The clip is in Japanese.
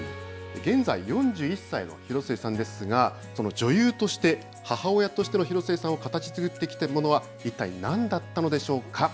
現在、４１歳の広末さんですが、その女優として、母親としての広末さんを形づくってきているものは一体なんだったのでしょうか。